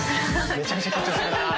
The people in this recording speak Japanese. めちゃめちゃ緊張するな。